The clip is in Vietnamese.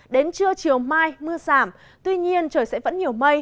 đến trưa chiều mai mưa giảm tuy nhiên trời sẽ vẫn nhiều mây